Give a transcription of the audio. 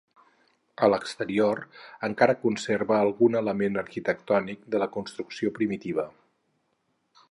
A l'exterior encara conserva algun element arquitectònic de la construcció primitiva.